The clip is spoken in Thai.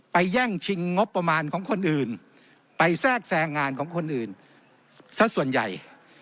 แย่งชิงงบประมาณของคนอื่นไปแทรกแทรงงานของคนอื่นสักส่วนใหญ่